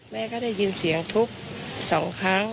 แม่ก็ได้ยินเสียงทุบ๒ครั้ง